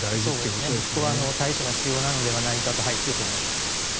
ここは対処が必要なのではないかと強く思います。